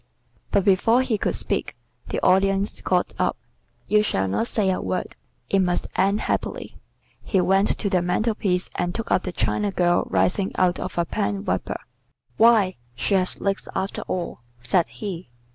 But before he could speak, the Audience got up. "You shall not say a word. It must end happily." He went to the mantel piece and took up the China girl rising out of a pen wiper. "Why, she has legs after all," said he.